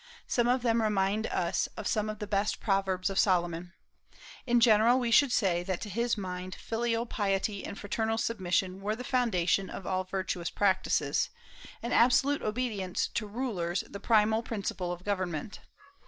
Some of them remind us of some of the best Proverbs of Solomon. In general, we should say that to his mind filial piety and fraternal submission were the foundation of all virtuous practices, and absolute obedience to rulers the primal principle of government.